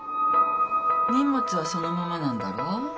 荷物はそのままなんだろ？